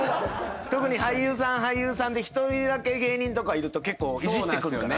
特に俳優さん俳優さんで一人だけ芸人とかいると結構いじってくるからね。